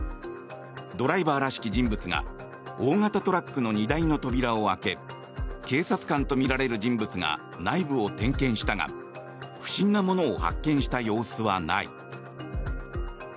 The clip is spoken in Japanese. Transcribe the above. ドライバーらしき人物が大型トラックの荷台の扉を開け警察官とみられる人物が内部を点検したが不審なものを発見した様子はない。